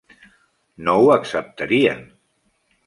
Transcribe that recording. No ho acceptarien.